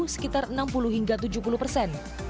sekitar enam puluh hingga tujuh puluh persen